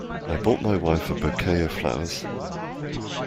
I bought my wife a Bouquet of flowers.